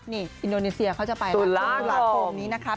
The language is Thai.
นี่อินโดนีเซียเขาจะไปวัน๒ตุลาคมนี้นะคะ